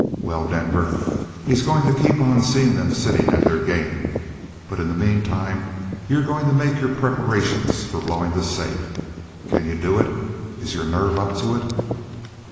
Well, Denver, he's going to keep on seeing them sitting at their game but in the meantime you're going to make your preparations for blowing the safe. Can you do it? Is your nerve up to it?"